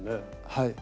はい。